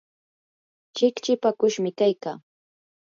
chikchipakushmi kaykaa.